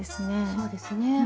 そうですね。